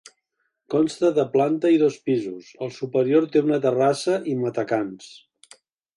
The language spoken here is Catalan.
Consta de planta i dos pisos, el superior té una terrassa i matacans.